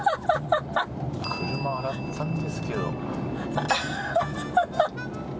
車、洗ったんですけど。